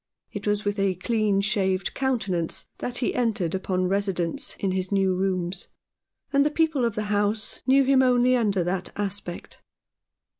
It was with a clean shaved countenance that he entered upon residence in his new rooms, and the people of the house knew him only under that aspect.